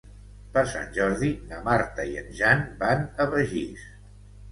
Per Sant Jordi na Marta i en Jan van a Begís.